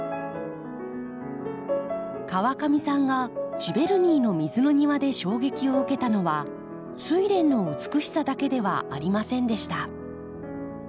川上さんがジヴェルニーの水の庭で衝撃を受けたのはスイレンの美しさだけではありませんでした。